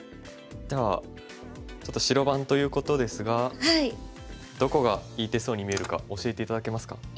じゃあちょっと白番ということですがどこがいい手そうに見えるか教えて頂けますか？